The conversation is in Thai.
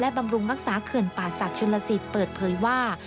บำรุงรักษาเขื่อนป่าศักดิชนลสิทธิ์เปิดเผยว่า